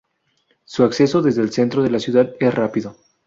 Su acceso desde el centro de la ciudad es rápido.